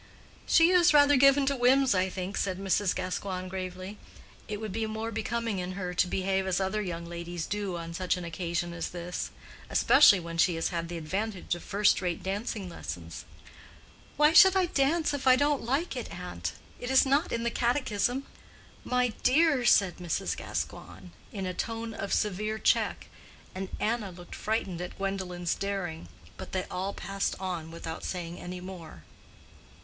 "She is rather given to whims, I think," said Mrs. Gascoigne, gravely. "It would be more becoming in her to behave as other young ladies do on such an occasion as this; especially when she has had the advantage of first rate dancing lessons." "Why should I dance if I don't like it, aunt? It is not in the catechism." "My dear!" said Mrs. Gascoigne, in a tone of severe check, and Anna looked frightened at Gwendolen's daring. But they all passed on without saying any more.